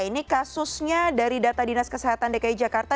ini kasusnya dari data dinas kesehatan dki jakarta